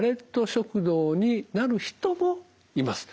食道になる人もいます。